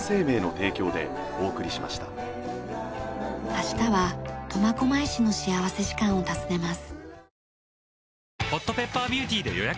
明日は苫小牧市の幸福時間を訪ねます。